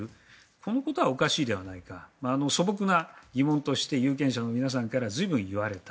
このことはおかしいではないか素朴な疑問として有権者の皆さんから随分言われた。